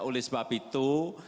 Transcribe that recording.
oleh sebab itu